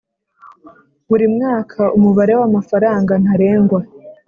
Buri mwaka umubare w amafaranga ntarengwa